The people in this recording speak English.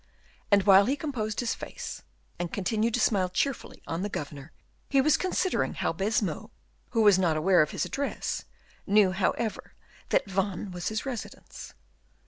And while he composed his face, and continued to smile cheerfully on the governor, he was considering how Baisemeaux, who was not aware of his address, knew, however, that Vannes was his residence.